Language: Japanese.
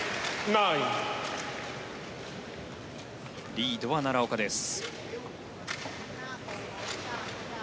リードは奈良岡です。